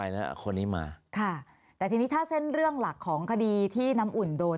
แต่ทีนี้ถ้าเส้นเรื่องหลักของขั้นดีที่น้ำอุ่นโดน